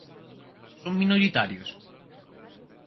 Son minoritarios?